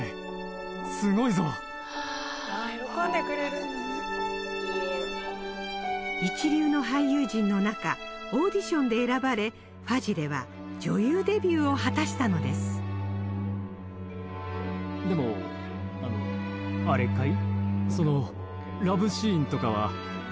その日の夜私一流の俳優陣の中オーディションで選ばれファジレは女優デビューを果たしたのですでもあれかい？